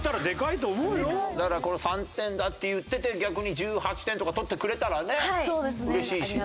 だから３点だって言ってて逆に１８点とか取ってくれたらね嬉しいしね。